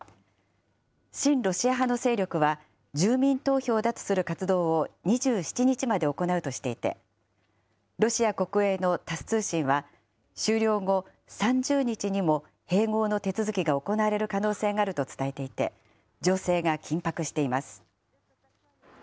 親ロシア派の勢力は住民投票だとする活動を２７日にも行うとしていて、ロシア国営のタス通信は、終了後、３０日にも併合の手続きが行われる可能性があると伝えていて、情勢が緊迫しています。